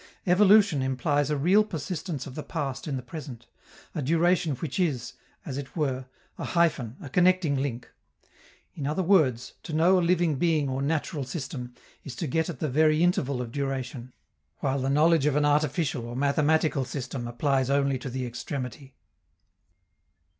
Evolution implies a real persistence of the past in the present, a duration which is, as it were, a hyphen, a connecting link. In other words, to know a living being or natural system is to get at the very interval of duration, while the knowledge of an artificial or mathematical system applies only to the extremity.